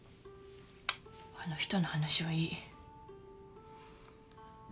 あの人の話はいい。